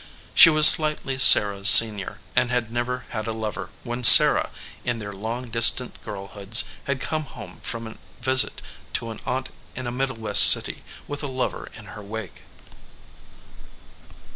She was slightly Sarah s senior, and had never had a lover when Sarah, in their long distant girlhoods, had come home from a visit to an aunt in a Middle West city with a lover in her wake.